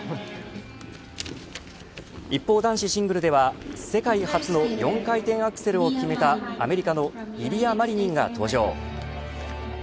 一方男子シングルでは世界初の４回転アクセルを決めたアメリカのイリア・マリニンが登場。